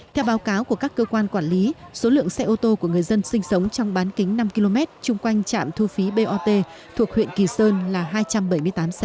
theo báo cáo của các cơ quan quản lý số lượng xe ô tô của người dân sinh sống trong bán kính năm km chung quanh trạm thu phí bot thuộc huyện kỳ sơn là hai trăm bảy mươi tám xe